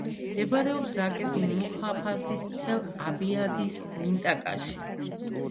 მდებარეობს რაკის მუჰაფაზის თელ-აბიადის მინტაკაში.